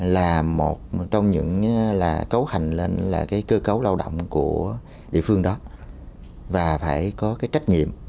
là một trong những là cấu hành lên là cái cơ cấu lao động của địa phương đó và phải có cái trách nhiệm